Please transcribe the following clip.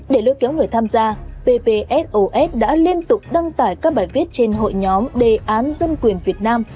để lưu kiếm người tham gia bpsos đã liên tục đăng tải các bài viết trên hội nhóm đề án dân quyền việt nam